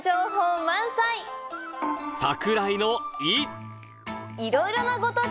櫻井の「い」